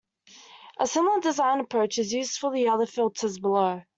A similar design approach is used for the other filters below.